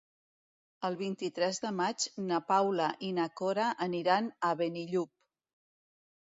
El vint-i-tres de maig na Paula i na Cora aniran a Benillup.